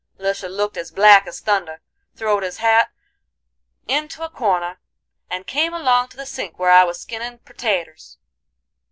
"Lisha looked as black as thunder, throwed his hat into a corner, and came along to the sink where I was skinnin' pertaters.